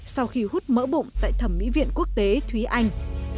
sau khi hút mỡ bụng tại thẩm mỹ viện quốc tế thúy anh